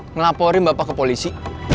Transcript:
ngelaporin bapak ke polisi